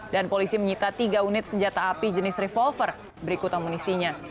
dan polisi menyita tiga unit senjata api jenis revolver berikut amunisinya